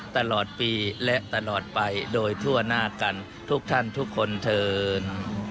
ตลอดปีและตลอดไปโดยทั่วหน้ากันทุกท่านทุกคนเถิน